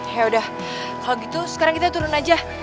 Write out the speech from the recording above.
ya udah kalau gitu sekarang kita turun aja